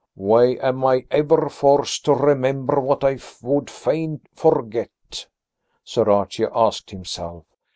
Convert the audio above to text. "Why am I ever forced to remember what I would fain forget?" Sir Archie asked himself.